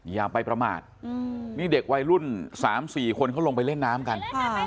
อย่าไปประมาทนี่เด็กวัยรุ่น๓๔คนเขาลงไปเล่นน้ำกัน